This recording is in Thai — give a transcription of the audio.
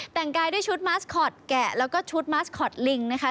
แต่งกายด้วยชุดมาสคอตแกะแล้วก็ชุดมัสคอตลิงนะคะ